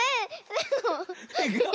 いくよ。